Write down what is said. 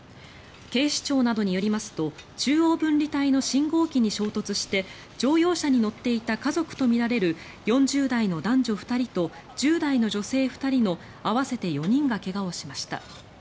警視庁などによりますと中央分離帯の信号機に衝突して乗用車に乗っていた家族とみられる４０代の男女２人と１０代の女性２人の合わせて４人が怪我をしました。